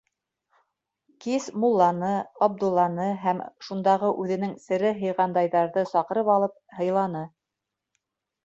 Кис мулланы, Абдулланы һәм шундағы үҙенең сере һыйғандайҙарҙы саҡырып алып һыйланы.